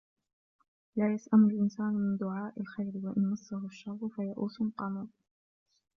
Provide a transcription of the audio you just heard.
لَا يَسْأَمُ الْإِنْسَانُ مِنْ دُعَاءِ الْخَيْرِ وَإِنْ مَسَّهُ الشَّرُّ فَيَئُوسٌ قَنُوطٌ